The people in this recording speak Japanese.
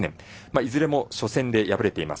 いずれも初戦で敗れています。